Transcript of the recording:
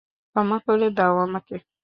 ক্ষমা করে দাও আমাকে।